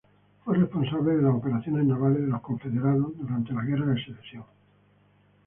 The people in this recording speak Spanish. Fue responsable de las operaciones navales de los confederados durante la Guerra de Secesión.